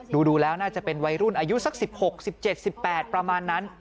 ดูแล้วน่าจะเป็นวัยรุ่นอายุสัก๑๖๑๗๑๘ประมาณนั้น